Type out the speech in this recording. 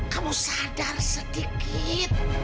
kamu sadar sedikit